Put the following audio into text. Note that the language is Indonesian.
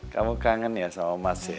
kamu kangen ya sama mas ya